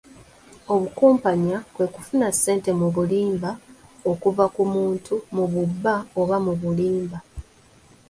Obukumpanya kwe kufuna ssente mu bulimba okuva ku muntu mu bubba oba mu bulimba.